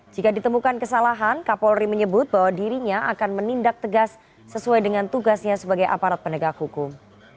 jika ditemukan kesalahan kapolri menyebut bahwa dirinya akan menindak tegas sesuai dengan tugasnya sebagai aparat penegak hukum